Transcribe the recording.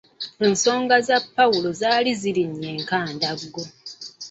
Ensonga za Pawulo zaali zirinnye enkandaggo.